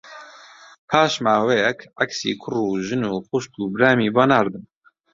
پاش ماوەیەک عەکسی کوڕ و ژن و خوشک و برامی بۆ ناردم